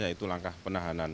yaitu langkah penahanan